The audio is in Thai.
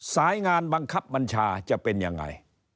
สายงานบังคับบัญชาจะเป็นยังไง